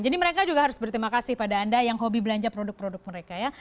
jadi mereka juga harus berterima kasih pada anda yang hobi belanja produk produk mereka ya